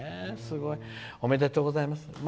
おめでとうございます。